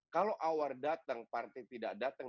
kalau awar datang partai tidak datang